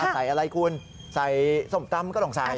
ใส่อะไรคุณใส่ส้มตำก็ต้องใส่